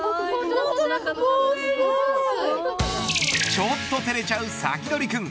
ちょっと照れちゃうサキドリくん。